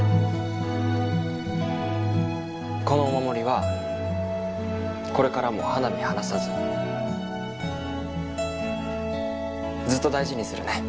このお守りはこれからも肌身離さずずっと大事にするね。